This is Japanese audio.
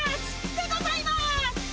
でございます！